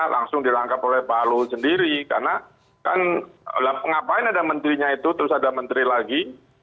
langsung dirangkap oleh pak luhut sendiri karena kan ngapain ada menterinya itu terus ada menteri lagi